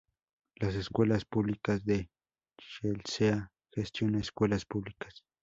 Las Escuelas Públicas de Chelsea gestiona escuelas públicas.